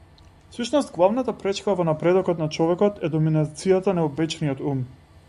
Всушност главната пречка во напредокот на човекот е доминацијатата на обичниот ум.